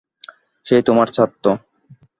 সে তোমার ছাত্র!